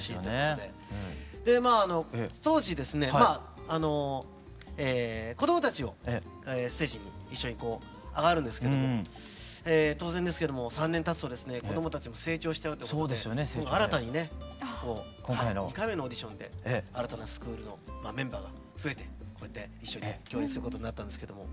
でまああの当時ですねまああの子どもたちをステージに一緒にこう上がるんですけども当然ですけども３年たつとですね子どもたちも成長しちゃうってことで新たにね２回目のオーディションで新たなスクールのメンバーが増えてこうやって一緒に共演することになったんですけども